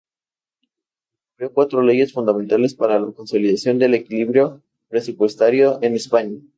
Promovió cuatro leyes fundamentales para la consolidación del equilibrio presupuestario en España.